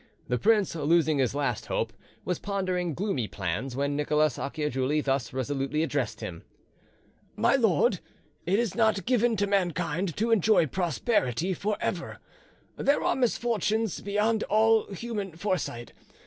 The prince, losing his last hope, was pondering gloomy plans, when Nicholas Acciajuoli thus resolutely addressed him: "My lord, it is not given to mankind to enjoy prosperity for ever: there are misfortunes beyond all human foresight.